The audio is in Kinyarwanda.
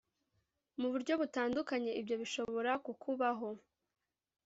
muburyo butandukanye ibyo bishobora kukubaho